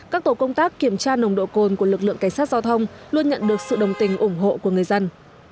các tổ công tác kiểm tra nồng độ cồn của lực lượng cảnh sát giao thông luôn nhận được sự đồng tình ủng hộ của người dân